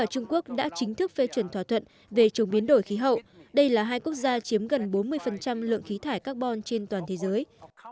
chuẩn thỏa thuận về chủng biến đổi khí hậu đây là hai quốc gia chiếm gần bốn mươi lượng khí thải carbon trên toàn thế giới